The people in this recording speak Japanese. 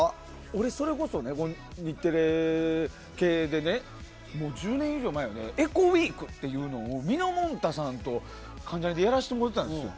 俺それこそ日テレ系でもう１０年以上前やでエコウィークっていうのをみのもんたさんと関ジャニでやらせてもらったんですよ。